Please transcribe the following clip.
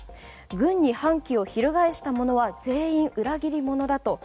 軍に反旗を翻したものは全員裏切り者だと。